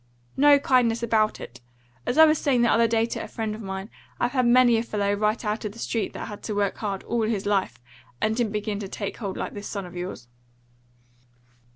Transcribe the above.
"No kindness about it. As I was saying the other day to a friend of mine, I've had many a fellow right out of the street that had to work hard all his life, and didn't begin to take hold like this son of yours."